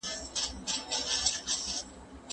څوک د پناه غوښتونکو سره مرسته کوي؟